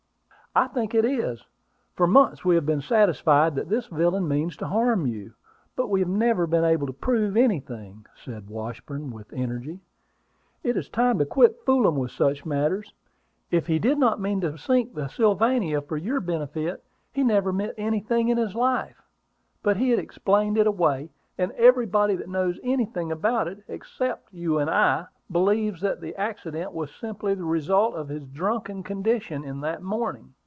"I think it is. For months we have been satisfied that this villain means you harm; but we have never been able to prove anything," said Washburn, with energy. "It is time to quit fooling with such matters. If he did not mean to sink the Sylvania for your benefit, he never meant anything in his life; but he explained it away, and everybody that knows anything about it, except you and I, believes that the accident was simply the result of his drunken condition on that morning.